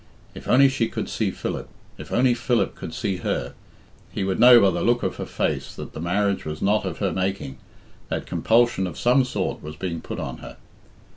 If only she could see Philip, if only Philip could see her, he would know by the look of her face that the marriage was not of her making that compulsion of some sort was being put on her.